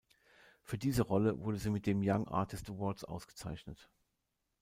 Für diese Rolle wurde sie mit dem Young Artist Awards ausgezeichnet.